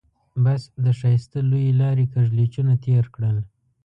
بس د ښایسته لويې لارې کږلېچونه تېر کړل.